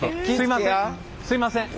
すいません。